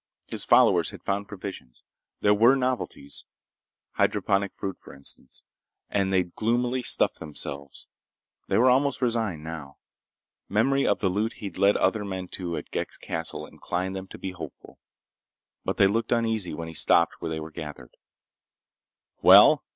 His followers had found provisions. There were novelties—hydroponic fruit, for instance—and they'd gloomily stuffed themselves. They were almost resigned, now. Memory of the loot he'd led other men to at Ghek's castle inclined them to be hopeful. But they looked uneasy when he stopped where they were gathered. "Well?"